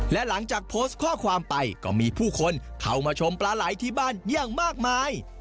และหลังจากโพสต์ข้อความไปก็มีผู้คนเข้ามาชมปลาไหลที่บ้านอย่างมากมาย